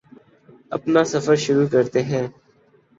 اپنا سفر شروع کرتے ہیں